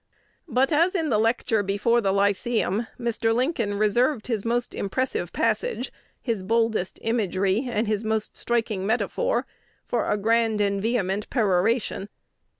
But, as in the lecture before the Lyceum, Mr. Lincoln reserved his most impressive passage, his boldest imagery, and his most striking metaphor, for a grand and vehement peroration.